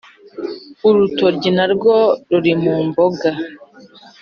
urutoryi na rwo ruri mu mboga.